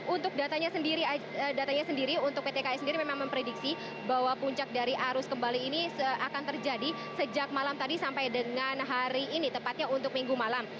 untuk datanya sendiri untuk pt kai sendiri memang memprediksi bahwa puncak dari arus kembali ini akan terjadi sejak malam tadi sampai dengan hari ini tepatnya untuk minggu malam